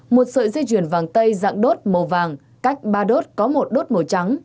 một sợi dây chuyền vàng tây dạng đốt màu vàng cách ba đốt có một đốt màu trắng